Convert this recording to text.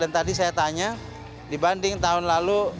dan tadi saya tanya dibandingkan tahun lalu